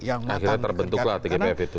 akhirnya terbentuklah tgpf itu